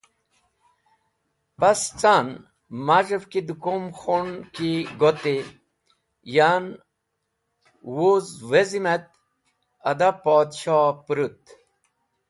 Pas ca’n, maz̃hev ki dẽ kum khun ki goti, yan wuz wezi’m et ada Podshoh pũrũt.